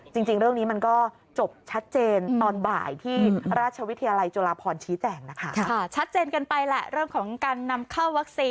จริงเรื่องนี้มันก็จบชัดเจนตอนบ่ายที่ราชวิทยาลัยจุฬาพรชี้แจ่งนะคะ